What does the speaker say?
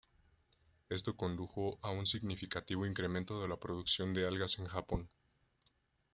Esto condujo a un significativo incremento de la producción de algas en Japón.